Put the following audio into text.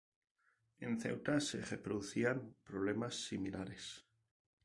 En Ceuta se reproducían problemas similares.